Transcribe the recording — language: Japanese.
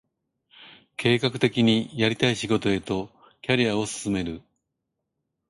計画的にやりたい仕事へとキャリアを進める